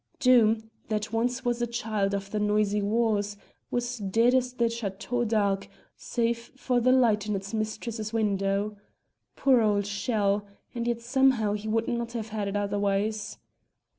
Doom, that once was child of the noisy wars, was dead as the Château d'Arques save for the light in its mistress's window. Poor old shell! and yet somehow he would not have had it otherwise.